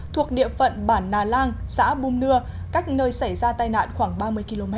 thuộc địa phận bản nà lang xã bùm nưa cách nơi xảy ra tai nạn khoảng ba mươi km